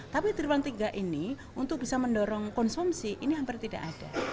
tapi triwulan tiga ini untuk bisa mendorong konsumsi ini hampir tidak ada